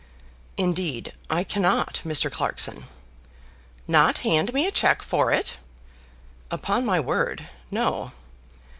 "Indeed I cannot, Mr. Clarkson." "Not hand me a cheque for it!" "Upon my word, no."